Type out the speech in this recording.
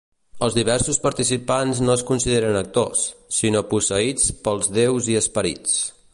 Els diversos participants no es consideren actors, sinó posseïts pels déus i esperits.